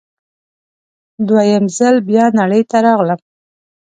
دوه یم ځل بیا نړۍ ته راغلم